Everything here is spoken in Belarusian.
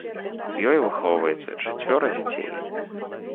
У ёй выхоўваецца чацвёра дзяцей.